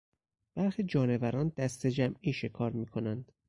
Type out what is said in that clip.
برخی جانوران دستهجمعی شکار میکنند.